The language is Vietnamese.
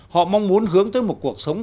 họ mong muốn hướng tới một cuộc sống